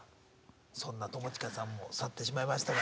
そんな友近さんも去ってしまいましたが。